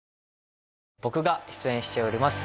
僕が出演しております